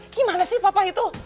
gimana sih papa itu